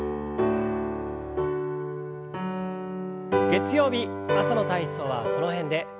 月曜日朝の体操はこの辺で。